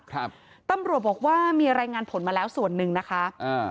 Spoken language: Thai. ครับตำรวจบอกว่ามีรายงานผลมาแล้วส่วนหนึ่งนะคะอ่า